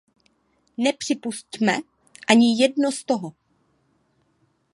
Nepřipusťme ani jedno z toho.